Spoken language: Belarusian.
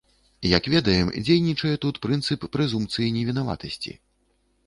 Як ведаем, дзейнічае тут прынцып прэзумпцыі невінаватасці.